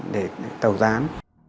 để tàu gián